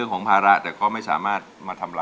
แก้มขอมาสู้เพื่อกล่องเสียงให้กับคุณพ่อใหม่นะครับ